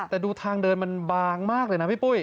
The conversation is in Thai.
แต่ดูทางเดินมันบางมากเลยนะพี่ปุ้ย